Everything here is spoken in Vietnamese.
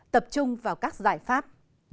tập trung vào các giải pháp